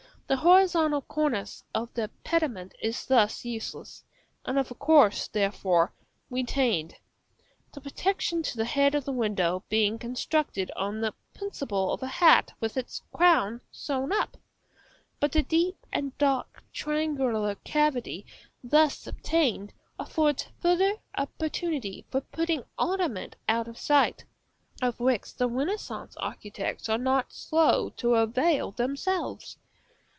The horizontal cornice of the pediment is thus useless, and of course, therefore, retained; the protection to the head of the window being constructed on the principle of a hat with its crown sewn up. But the deep and dark triangular cavity thus obtained affords farther opportunity for putting ornament out of sight, of which the Renaissance architects are not slow to avail themselves.